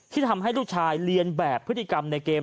ที่ทำให้ลูกชายเรียนแบบพฤติกรรมในเกม